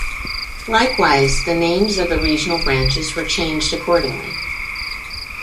Likewise, the names of the regional branches were changed accordingly.